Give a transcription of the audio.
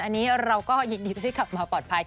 อันนี้เราก็ยินดีที่กลับมาปลอดภัย